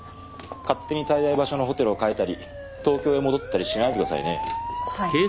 勝手に滞在場所のホテルを変えたり東京へ戻ったりしないでくださいね。